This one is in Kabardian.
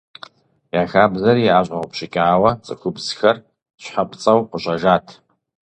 Я хабзэри яӀэщӀэгъупщыкӀауэ, цӀыхубзхэр щхьэпцӀэу къыщӀэжат.